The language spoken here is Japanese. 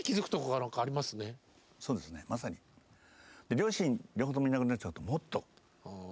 両親が両方ともいなくなっちゃうともっと。